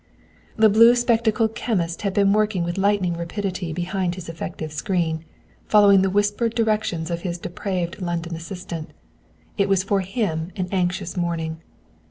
The blue spectacled chemist had been working with lightning rapidity behind his effective screen, following the whispered directions of his depraved London assistant. It was for him an anxious morning.